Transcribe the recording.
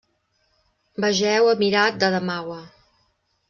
Vegeu Emirat d'Adamaua.